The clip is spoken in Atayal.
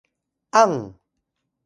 Yukan: ang